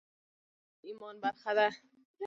د بل حق ساتنه د ایمان برخه ده.